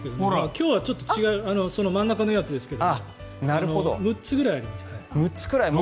今日は違う真ん中のやつですが６つぐらいあります。